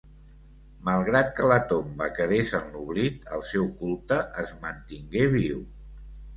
Malgrat que la tomba quedés en l'oblit, el seu culte es mantingué viu.